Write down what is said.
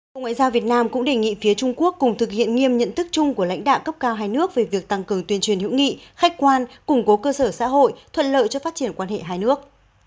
bộ ngoại giao việt nam cũng đề nghị phía trung quốc cùng thực hiện nghiêm nhận thức chung của lãnh đạo cấp cao hai nước về việc tăng cường tuyên truyền hữu nghị khách quan củng cố cơ sở xã hội thuận lợi cho phát triển quan hệ hai nước